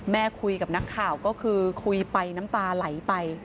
คุยกับนักข่าวก็คือคุยไปน้ำตาไหลไป